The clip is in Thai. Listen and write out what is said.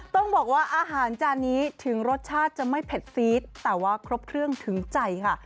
ต้องบอกว่าอาหารจานนี้ถึงรสชาติจะไม่เผ็ดฟีดแต่ว่าครบเครื่องถึงใจค่ะ